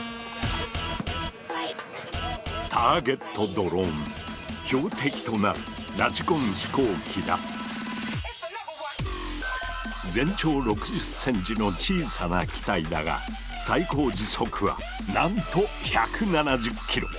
ここには標的となる全長６０ｃｍの小さな機体だが最高時速はなんと１７０キロ！